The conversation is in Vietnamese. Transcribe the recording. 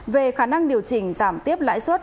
về khả năng điều chỉnh giảm tiếp lãi suất